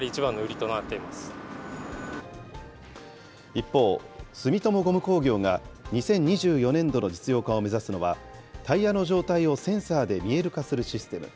一方、住友ゴム工業が、２０２４年度の実用化を目指すのは、タイヤの状態をセンサーで見える化するシステム。